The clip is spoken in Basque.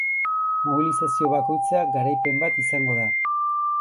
Mobilizazio bakoitza garaipen bat izango da.